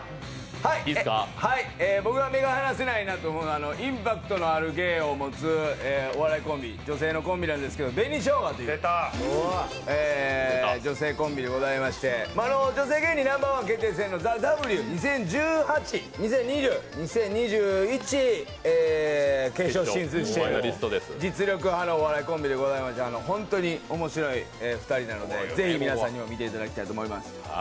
僕が目が離せないなと思うのはインパクトのある芸を持つお笑いコンビ女性のコンビなんですけど紅しょうがという女性コンビでございまして女性芸人ナンバーワン決定戦２０２１の決勝進出にして実力派のお笑いコンビでございまして本当に面白い２人なのでぜひ皆さんにも見ていただきたいと思います。